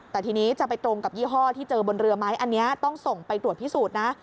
แต่ทีนี้จะไปตรงกับยี่ห้อที่เจอบนเรือไหมอันนี้ต้องส่งไปตรวจพิสูจน์นะ